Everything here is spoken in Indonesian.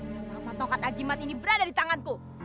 selama tongkat ajimat ini berada di tanganku